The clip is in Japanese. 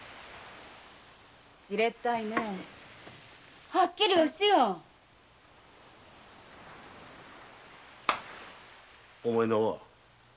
じれったいねはっきりおしよお前の名は？